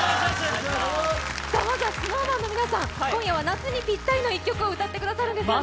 まずはＳｎｏｗＭａｎの皆さん、今夜は夏にぴったりの一曲を歌ってくれるんですよね。